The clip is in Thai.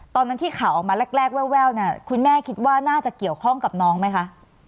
ตอนนั้นที่ข่าวออกมาแรกแววเนี่ยคุณแม่คิดว่าน่าจะเกี่ยวข้องกับน้องไหมคะ